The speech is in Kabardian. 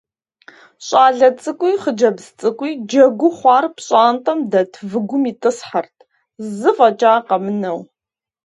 ЩӀалэ цӀыкӀуи хъыджэбз цӀыкӀуи, джэгуу хъуар пщӀантӀэм дэт выгум итӀысхьэрт, зы фӀэкӀа къэмынэу.